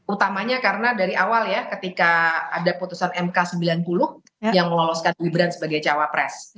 utamanya karena dari awal ya ketika ada putusan mk sembilan puluh yang meloloskan gibran sebagai cawapres